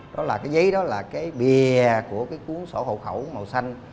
đó là cái giấy đó là cái bìa của cái cuốn sổ hộ khẩu màu xanh